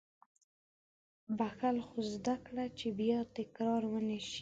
• بښل، خو زده کړه چې بیا تکرار ونه شي.